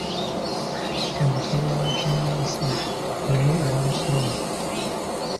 Omusawo w'ekinnansi naye aba musawo?